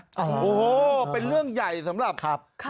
โอ้โหเป็นเรื่องใหญ่สำหรับครับ